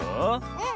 うん。